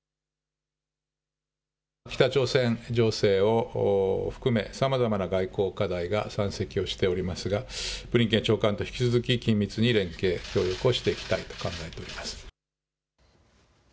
北朝鮮情勢を含め、さまざまな外交課題が山積をしておりますがブリンケン長官と引き続き緊密に連携、協力をしていきたいと考えております。